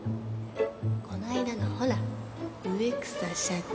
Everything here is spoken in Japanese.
こないだのほら植草社長。